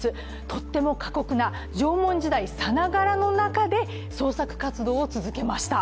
とっても過酷な縄文時代さながらの中で創作活動を続けました。